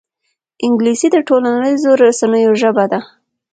انګلیسي د ټولنیزو رسنیو ژبه ده